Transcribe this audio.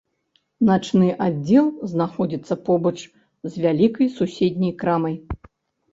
Начны аддзел знаходзіцца побач з вялікай суседняй крамай.